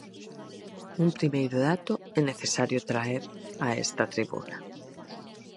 Un primeiro dato é necesario traer a esta tribuna.